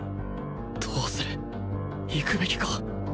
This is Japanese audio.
どうする行くべきか？